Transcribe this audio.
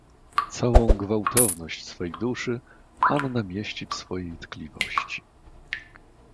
"Całą gwałtowność swej duszy, Anna mieści w swojej tkliwości."